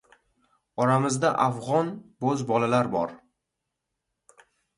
Oramizda "afg‘on" bo‘zbolalar bor!